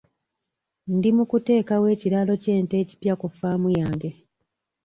Ndi mu kuteekawo ekiraalo ky'ente ekipya ku ffaamu yange.